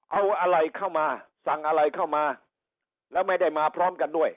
เอาอะไรเข้ามาสั่งอะไรเข้ามาแล้วไม่ได้มาพร้อมกันด้วย